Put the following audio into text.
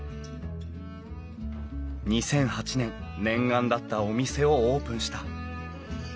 ２００８年念願だったお店をオープンした。